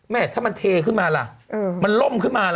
ถ้ามันเทขึ้นมาล่ะมันล่มขึ้นมาล่ะ